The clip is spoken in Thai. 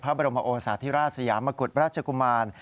พระบรมโอสาธิราชสยามกุฎราชกุมาร